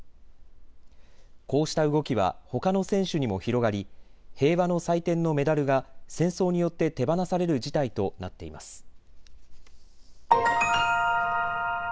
こうした動きはほかの選手にも広がり平和の祭典のメダルが戦争によって手放される事態となっています。